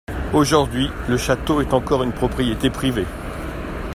Aujourd’hui, le château est encore une propriété privée.